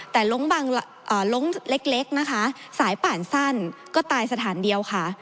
แต่ลงเล็กนะคะสายป่านสั้นก็ตายสถานเดียวค่ะ